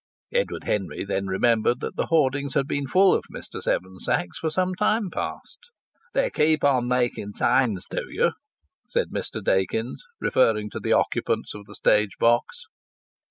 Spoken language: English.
Edward Henry then remembered that the hoardings had been full of Mr. Seven Sachs for some time past. "They keep on making signs to you," said Mr. Dakins, referring to the occupants of the stage box.